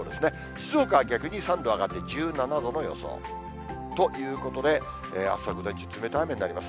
静岡は逆に３度上がって、１７度の予想。ということで、あすは午前中、冷たい雨になります。